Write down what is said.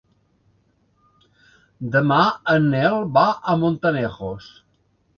Demà en Nel va a Montanejos.